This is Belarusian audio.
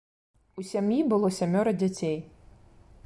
У сям'і было сямёра дзяцей.